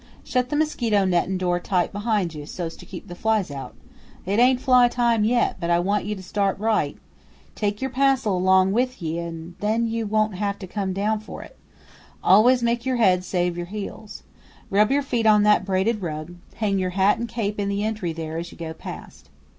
"Shut the mosquito nettin' door tight behind you, so 's to keep the flies out; it ain't flytime yet, but I want you to start right; take your passel along with ye and then you won't have to come down for it; always make your head save your heels. Rub your feet on that braided rug; hang your hat and cape in the entry there as you go past."